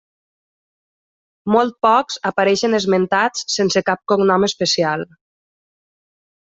Molt pocs apareixen esmentats sense cap cognom especial.